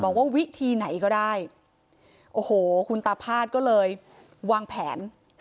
ว่าวิธีไหนก็ได้โอ้โหคุณตาพาดก็เลยวางแผน